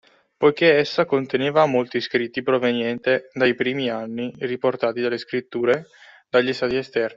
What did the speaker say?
Poiché essa conteneva molti scritti proveniente dai primi anni riportati dalle scritture, dagli stati esterni.